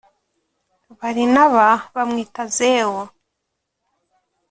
barinaba bamwita zewu .